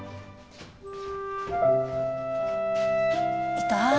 ・いた？